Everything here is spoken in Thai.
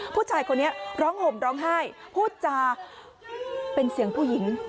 ผู้ชายคนนี้ร้องห่มร้องไห้พูดจาเป็นเสียงผู้หญิง